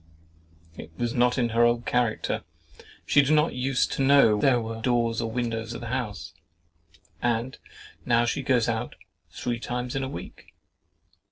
It was not in her old character. She did not use to know there were doors or windows in the house—and now she goes out three times in a week.